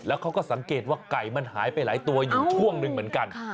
แล้วเขาก็สังเกตว่าไก่มันหายไปหลายตัวอยู่ช่วงหนึ่งเหมือนกัน